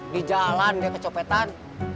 di jalan gak kecopetan